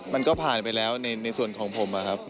มันก็ผ่านไปแล้วในส่วนของผมนะครับ